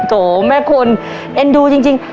โถแม่คุณเอ็นดูจริง